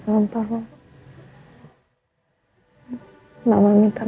atas perusahaan maps